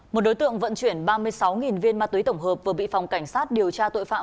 một đối tượng vận chuyển ba mươi sáu viên ma túy tổng hợp vừa bị phòng cảnh sát điều tra tội phạm